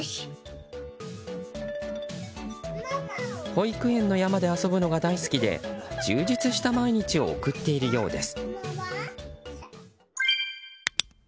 保育園の山で遊ぶのが大好きで充実した毎日を送っているようです。